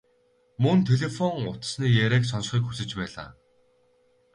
Мөн телефон утасны яриаг сонсохыг хүсэж байлаа.